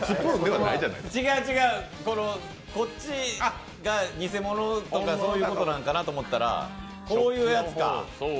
違う違う、こっちが偽物とか、そういうことなんかなと思ったらこういうやつか。